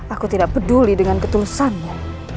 aku tidak peduli dengan ketulusannya